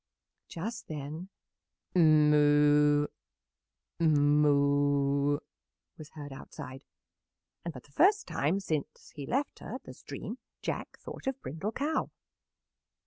Just then, "Moo, moo!" was heard outside, and for the first time since he left her at the stream Jack thought of Brindle Cow.